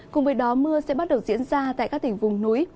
cùng với đó mưa sẽ bắt đầu diễn ra tại các tỉnh vùng núi